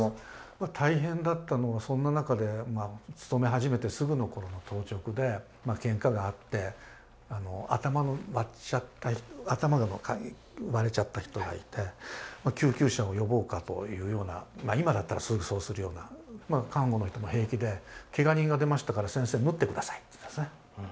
大変だったのはそんな中で勤め始めてすぐの頃の当直でケンカがあって頭が割れちゃった人がいて救急車を呼ぼうかというような今だったらすぐそうするような看護の人も平気で「けが人が出ましたから先生縫って下さい」って言ったんですね。